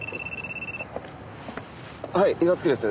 はい岩月です。